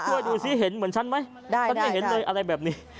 ช่วยดูสิเห็นเหมือนฉันไหมได้ฉันไม่เห็นเลยอะไรแบบนี้